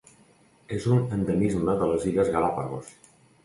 És un endemisme de les Illes Galápagos.